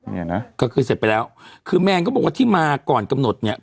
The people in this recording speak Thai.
เนี่ยนะก็คือเสร็จไปแล้วคือแมนก็บอกว่าที่มาก่อนกำหนดเนี่ย